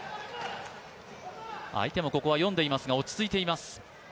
相手もここは読んでいますが、落ち着いています。